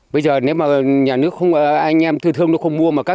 bây giờ nếu mà nhà nước không anh em thư thương nó không mua